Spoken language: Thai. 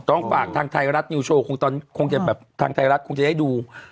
ต้องฝากทางไทยรัฐนิวโชว์ทางไทยรัฐคงจะให้ดู